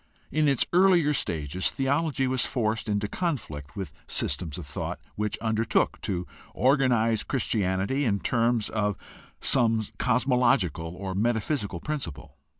In its earlier stages theology was forced into conflict with systems of thought which undertook to organize Christianity in terms of some cosmological or metaphysical principle.